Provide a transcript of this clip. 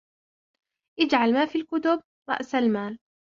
اجْعَلْ مَا فِي الْكُتُبِ رَأْسَ الْمَالِ